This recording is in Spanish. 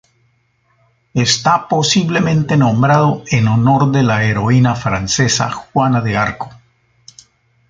Está posiblemente nombrado en honor de la heroína francesa Juana de Arco.